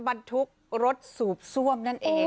บรรทุกรถสูบซ่วมนั่นเอง